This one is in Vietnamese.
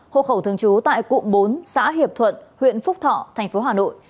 hộ khẩu thương chú tại cụm bốn xã hiệp thuận huyện phúc thọ thành phố hà nội